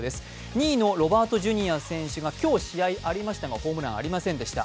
２位のロバート・ジュニア選手が今日、試合がありましたがホームランはありませんでした。